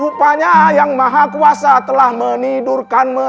bangun rupanya yang maha kuasa telah menidurkan me ruh